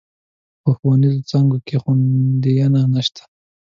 په ښوونيزو څانګو کې خونديينه نشته.